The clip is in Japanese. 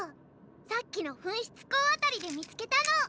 さっきの噴出孔辺りで見つけたの！